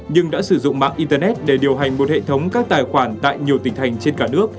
nhưng đã sử dụng mạng internet để điều hành một hệ thống các tài khoản tại nhiều tỉnh thành trên cả nước